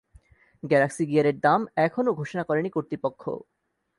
Galaxy গিয়ারের দাম এখনও ঘোষণা করেনি কর্তৃপক্ষ।